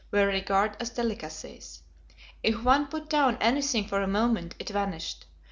were regarded as delicacies. If one put down anything for a moment, it vanished.